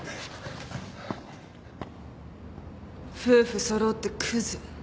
夫婦揃ってくず。